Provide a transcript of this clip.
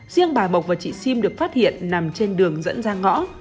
riêng bà mộc và chị siêm được phát hiện nằm trên đường dẫn ra ngõ